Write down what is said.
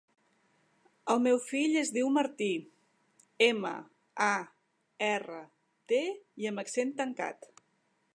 El meu fill es diu Martí: ema, a, erra, te, i amb accent tancat.